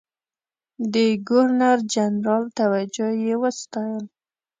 د ګورنرجنرال توجه یې وستایل.